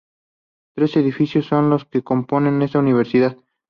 Tres edificios son los que componen esta universidad.